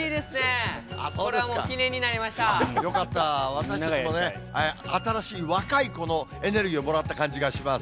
私もね、新しい若い子のエネルギーをもらった感じがします。